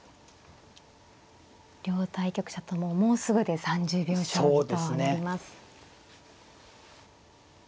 両対局者とももうすぐで３０秒将棋となります。